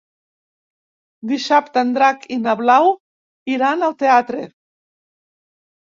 Dissabte en Drac i na Blau iran al teatre.